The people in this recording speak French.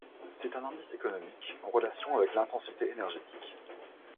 C'est un indice économique en relation avec l'intensité énergétique.